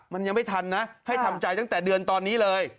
มันยังไม่ทันนะให้ทำใจตั้งแต่เดือนตอนนี้เลย